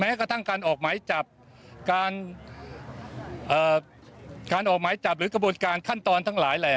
แล้วก็อยากจะให้มีการปฏิรูปกระบวนการยุติธรรมทั้งหมดนะครับ